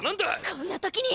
こんな時に。